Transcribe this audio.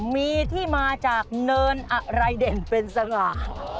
มีที่มาจากเนินอะไรเด่นเป็นสง่า